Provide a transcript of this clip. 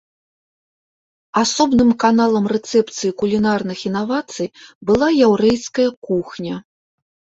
Асобным каналам рэцэпцыі кулінарных інавацый была яўрэйская кухня.